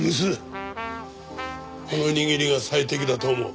この握りが最適だと思う。